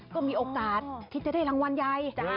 ก็มีโอกาสที่จะได้รางวัลใหญ่